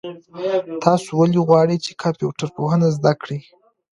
تاسو ولې غواړئ چي کمپيوټر پوهنه زده کړئ؟